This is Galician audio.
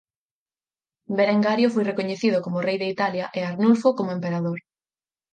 Berengario foi recoñecido como rei de Italia e Arnulfo como emperador.